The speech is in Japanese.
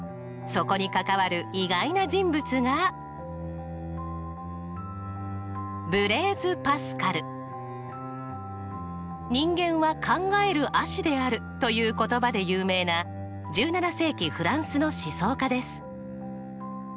そこに関わる意外な人物が。という言葉で有名な１７世紀フランスの思想家です。